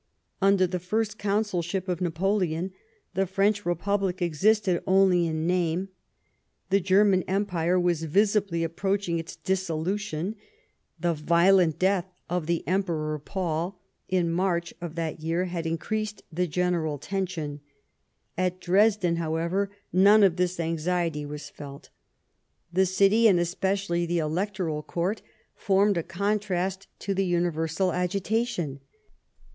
Under the First Consulship of Napoleon the French Eepublic existed only in name ; the German Empire was visibly approaching its dissolution ; the violent death of the Emperor Paul, in March of that year, had increased the general tension. At Dresden, however, none of this anxiety was felt. The city, and especially the Electoral Court, formed a contrast to the universal agitation.